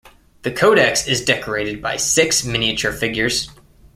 The codex is decorated by six miniature figures.